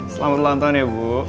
selamat ulang tahun ya bu